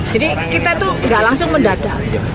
jadi kita itu tidak langsung mendadak